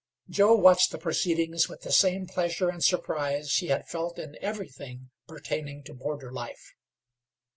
Joe watched the proceeding with the same pleasure and surprise he had felt in everything pertaining to border life.